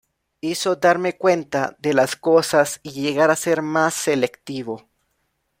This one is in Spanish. Hizo darme cuenta de las cosas y llegar a ser más selectivo.